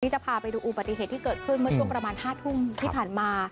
จะพาไปดูอุบัติเหตุที่เกิดขึ้นเมื่อช่วงประมาณ๕ทุ่มที่ผ่านมา